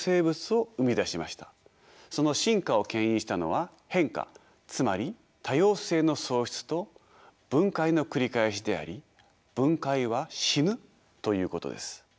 その進化をけん引したのは変化つまり多様性の創出と分解の繰り返しであり「分解」は「死ぬ」ということです。